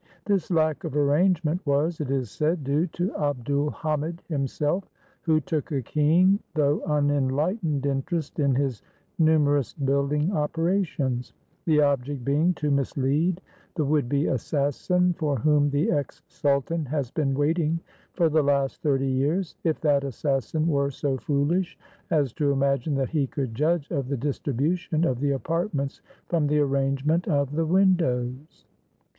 This lack of arrangement was, it is said, due to Abd ul Hamid him self (who took a keen though unenlightened interest in his numerous building operations), the object being to mislead the would be assassin for whom the ex sultan has been waiting for the last thirty years, if that assassin were so foolish as to imagine that he could judge of the distribution of the apartments from the arrangement of the windows.